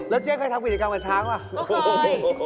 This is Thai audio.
แล้วเจ๊ค่อยทักวิทยาการกับช้างหรือ